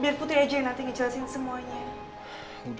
biar putih aja yang nanti ngejelasin semuanya